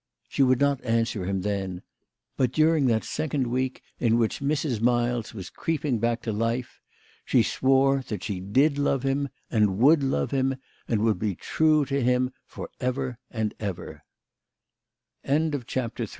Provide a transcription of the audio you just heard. She would not answer him then ; but during that second week in which Mrs. Miles was creeping back to life she swore that she did love him, and would love him, and would be true to him for eve